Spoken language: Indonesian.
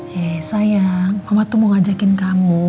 hei sayang mama tuh mau ngajakin kamu